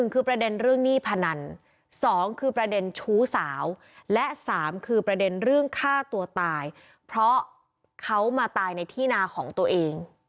คือประเด็นเรื่องหนี้พนัน๒คือประเด็นชู้สาวและ๓คือประเด็นเรื่องฆ่าตัวตายเพราะเขามาตายในที่นาของตัวเอง